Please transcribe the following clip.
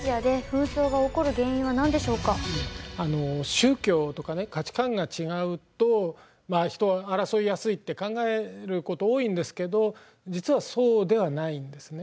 宗教とかね価値観が違うとまあ人は争いやすいって考えること多いんですけど実はそうではないんですね。